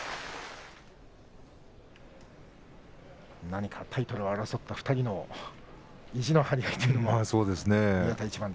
何かタイトルを争った２人の意地の張り合いというか。